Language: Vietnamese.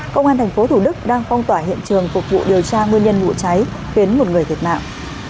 công an tp thủ đức đang phong tỏa hiện trường phục vụ điều tra nguyên nhân vụ cháy khiến một người thiệt mạng